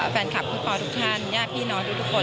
แฟนคลับพี่ปอทุกท่านญาติพี่น้องทุกคน